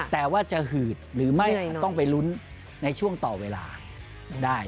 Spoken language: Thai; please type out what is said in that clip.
แต่ว่าจะหืดหรือไม่ต้องไปลุ้นในช่วงต่อเวลาได้